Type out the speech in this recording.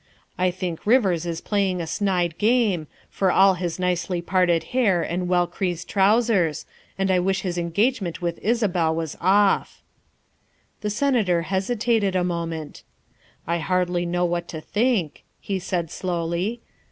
I think Rivers is playing a snide game, for all his nicely parted hair and well creased trousers, and I wish his engagement with Isabel was off." The Senator hesitated a moment. " I hardly know what to think," he said slowly.